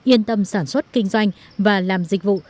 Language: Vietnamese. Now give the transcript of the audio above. yên tâm sản xuất kinh doanh và làm dịch vụ